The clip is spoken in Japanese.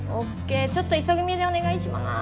ちょっと急ぎめでお願いします